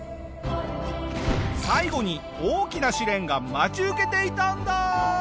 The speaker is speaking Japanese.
最後に大きな試練が待ち受けていたんだ。